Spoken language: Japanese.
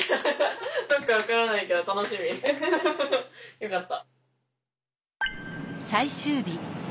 よかった。